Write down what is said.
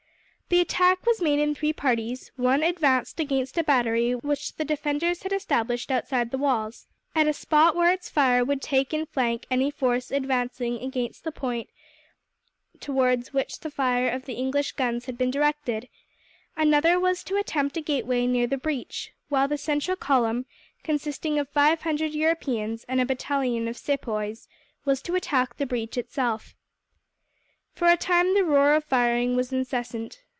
The attack was made in three parties: one advanced against a battery which the defenders had established outside the walls, at a spot where its fire would take in flank any force advancing against the point towards which the fire of the English guns had been directed; another was to attempt a gateway near the breach; while the central column, consisting of five hundred Europeans and a battalion of Sepoys, was to attack the breach itself. For a time the roar of firing was incessant.